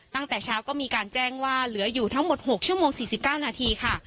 ตั้งแต่เช้าก็มีการแจ้งว่าเหลืออยู่ทั้งหมด๖ชั่วโมง๔๙นาทีค่ะ